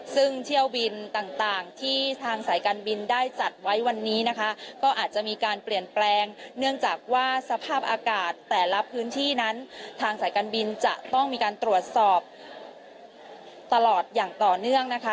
ซึ่งเที่ยวบินต่างที่ทางสายการบินได้จัดไว้วันนี้นะคะก็อาจจะมีการเปลี่ยนแปลงเนื่องจากว่าสภาพอากาศแต่ละพื้นที่นั้นทางสายการบินจะต้องมีการตรวจสอบตลอดอย่างต่อเนื่องนะคะ